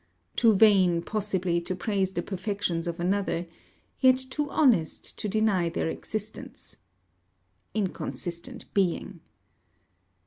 Too vain, possibly, to praise the perfections of another; yet too honest, to deny their existence. Inconsistent being!